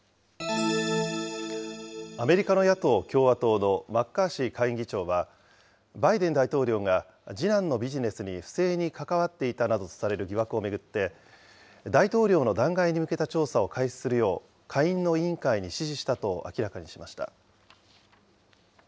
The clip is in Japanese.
アメリカの野党・共和党のマッカーシー下院議長は、バイデン大統領が次男のビジネスに不正に関わっていたなどとされる疑惑を巡って、大統領の弾劾に向けた調査を開始するよう、下院の委員会に指示したと明らかにしました。